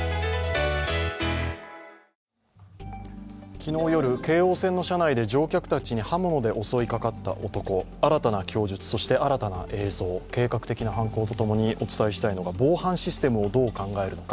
昨日夜、京王線の車内で乗客たちに刃物で襲いかかった男、新たな供述、そして新たな映像計画的な犯行と共にお伝えしたいのが防犯システムをどう考えるのか。